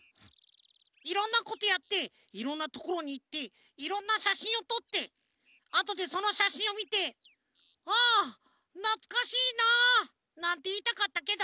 いろんなことやっていろんなところにいっていろんなしゃしんをとってあとでそのしゃしんをみて「ああなつかしいなあ」なんていいたかったけど